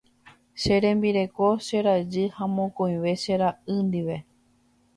Che rembireko, che rajy ha mokõive che ra'y ndive.